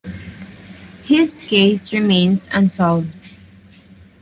His case remains unsolved.